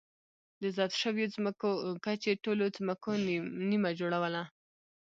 د ضبط شویو ځمکو کچې ټولو ځمکو نییمه جوړوله.